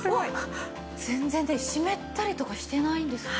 全然ね湿ったりとかしてないんですよね。